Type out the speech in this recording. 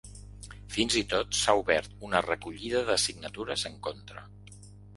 Fins i tot s’ha obert una recollida de signatures en contra.